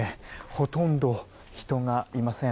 ほとんど人がいません。